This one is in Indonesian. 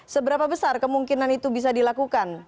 seberapa besar kemungkinan itu bisa dilakukan